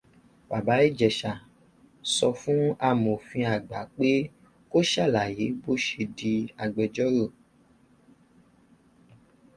Bàbá Ìjẹ̀shà sọ fún amòfin àgbà pé kó ṣàlàyé bó ṣe di agbẹjọ́rò